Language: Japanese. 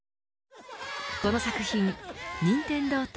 この作品、任天堂と